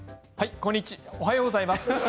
こんにちおはようございます。